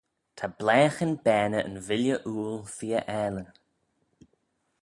Ta blaaghyn baney yn villey ooyl feer aalin.